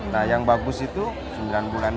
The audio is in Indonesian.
nah yang bagus itu sembilan bulan